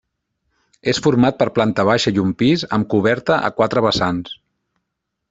És format per planta baixa i un pis, amb coberta a quatre vessants.